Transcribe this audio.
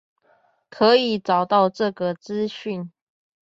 可以找到這個資訊